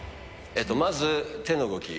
まず手の動き。